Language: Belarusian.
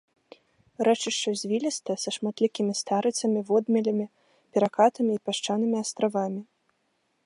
Рэчышча звілістае, са шматлікімі старыцамі, водмелямі, перакатамі і пясчанымі астравамі.